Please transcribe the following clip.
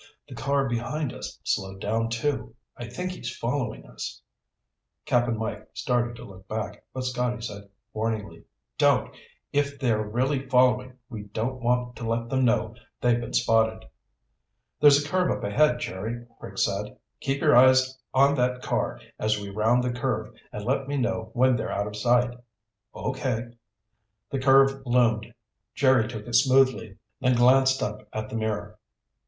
"The car behind us slowed down, too. I think he's following us." Cap'n Mike started to look back, but Scotty said warningly, "Don't! If they're really following, we don't want to let them know they've been spotted." "There's a curve up ahead, Jerry," Rick said. "Keep your eyes on that car as we round the curve and let me know when they're out of sight." "Okay." The curve loomed. Jerry took it smoothly, then glanced up at the mirror.